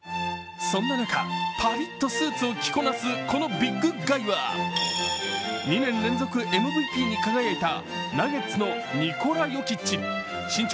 そんな中、パリっとスーツを着こなすこのビッグガイは、２年連続ＭＶＰに輝いたナゲッツのニコラ・ヨキッチ。